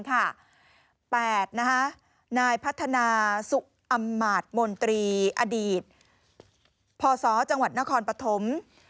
นายพัฒนาสุกอำมาตรมนตรีอดีตพศจังหวัดนครปฐม